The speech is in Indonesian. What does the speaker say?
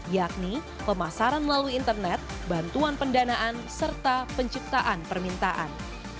yakni pemasaran melalui internet bantuan pendanaan serta penciptaan permintaan